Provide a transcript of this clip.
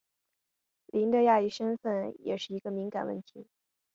林的亚裔身份也是一个敏感问题。